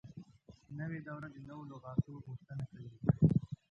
نوې دوره د نوو لغاتو غوښتنه کوي.